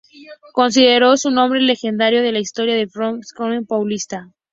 Considerado un nombre legendario de la historia del Sport Club Corinthians Paulista.